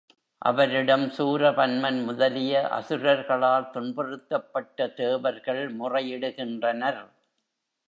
அவரிடம் சூரபன்மன் முதலிய அசுரர்களால் துன்புறுத்தப்பட்ட தேவர்கள் முறையிடுகின்றனர்.